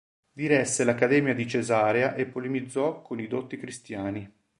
Diresse l'accademia di Cesarea e polemizzò con i dotti cristiani.